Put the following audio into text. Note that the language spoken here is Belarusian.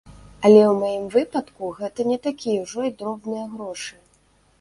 Але ў маім выпадку гэта не такія ўжо і дробныя грошы.